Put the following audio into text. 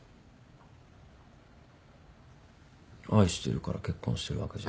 愛してるから結婚してるわけじゃん。